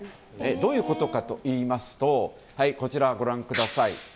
どういうことかといいますとこちらご覧ください。